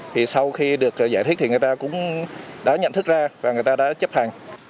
thì sau khi được giải thích thì người ta cũng đã nhận thức ra và người ta đã chấp hành